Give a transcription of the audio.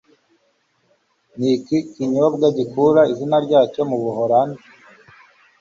Niki kinyobwa gikura izina ryacyo mu Buholandi?